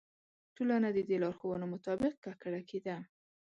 ټولنه د دې لارښوونو مطابق ککړه کېده.